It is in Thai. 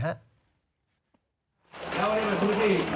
ไม่ได้อย่างนี้ไม่ได้